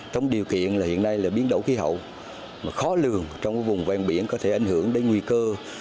trong điều kiện là hiện nay là biến đổi khí hậu khó lường trong vùng ven biển có thể ảnh hưởng đến nguy cơ